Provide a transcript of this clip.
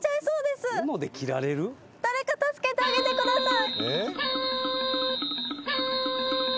誰か助けてあげてください。